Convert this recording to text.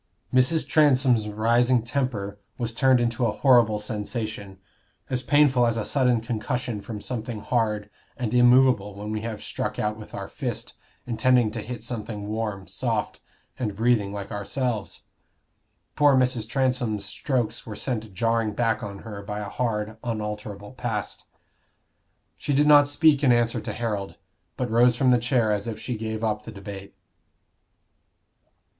Mrs. Transome's rising temper was turned into a horrible sensation, as painful as a sudden concussion from something hard and immovable when we have struck out with our fist, intending to hit something warm, soft, and breathing like ourselves. Poor Mrs. Transome's strokes were sent jarring back on her by a hard unalterable past. She did not speak in answer to Harold, but rose from the chair as if she gave up the debate.